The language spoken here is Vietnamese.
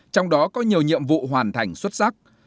trong đó có nhiều nhiệm vụ hoàn thành xuất sắc